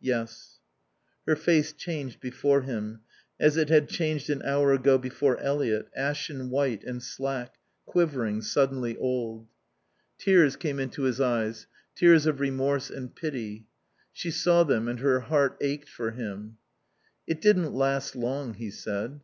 "Yes." Her face changed before him, as it had changed an hour ago before Eliot, ashen white and slack, quivering, suddenly old. Tears came into his eyes, tears of remorse and pity. She saw them and her heart ached for him. "It didn't last long," he said.